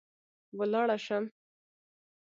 ولاړه شم